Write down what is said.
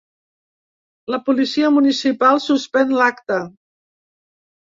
La policia municipal suspèn l’acte.